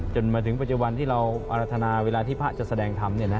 จนถึงปัจจุบันที่เราอรรถนาเวลาที่พระจะแสดงธรรม